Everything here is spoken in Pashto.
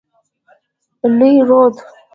لوی رود.